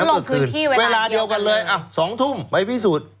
เขาลงพื้นที่เวลาเดียวกันเลยเวลาเดียวกันเลย๒ทุ่มไปพิสูจน์